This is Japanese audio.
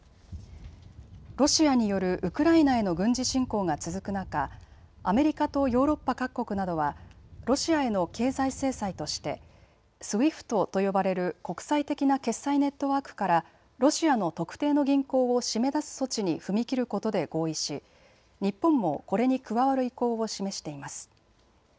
ロシアによるウクライナへの軍事侵攻が続く中、アメリカとヨーロッパ各国などは、ロシアへの経済制裁として、ＳＷＩＦＴと呼ばれる国際的な決済ネットワークからロシアの特定の銀行を締め出す措置に踏み切ることで合意し日本もこれに加わる意向を示しています。